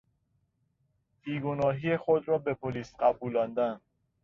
بیگناهی خود را به پلیس قبولاندن